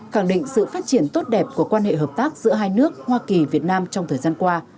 khẳng định sự phát triển tốt đẹp của quan hệ hợp tác giữa hai nước hoa kỳ việt nam trong thời gian qua